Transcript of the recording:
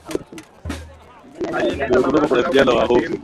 sasa hivi ni kwamba niku nikufanya negotiation za kidiplomasia